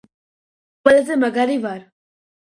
ყველაზე მაგარი ვარ.